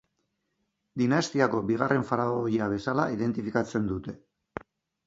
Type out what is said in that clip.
Dinastiako bigarren faraoia bezala identifikatzen dute.